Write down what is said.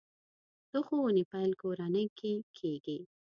د ښوونې پیل کورنۍ کې کېږي.